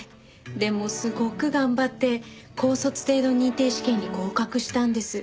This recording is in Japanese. でもすごく頑張って高卒程度認定試験に合格したんです。